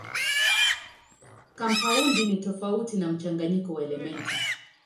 Kampaundi ni tofauti na mchanganyiko wa elementi.